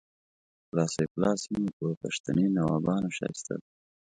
کلا سیف الله سیمه په پښتني نوابانو ښایسته ده